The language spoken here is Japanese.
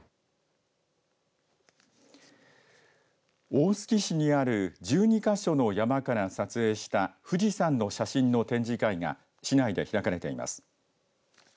大月市にある１２か所の山から撮影した富士山の写真の展示会が市内で開かれています。